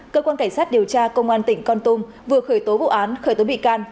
cơ quan cảnh sát điều tra công an tỉnh con tum vừa khởi tố vụ án khởi tố bị can